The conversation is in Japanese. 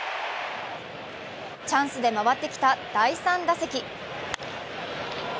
チャンスで回ってきた第３打席。